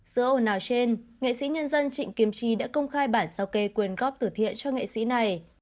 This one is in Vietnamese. giữa ồn ào trên nghệ sĩ nhân dân trịnh kim chi đã công khai bản sao kê quyền góp tử thiện cho nghệ sĩ này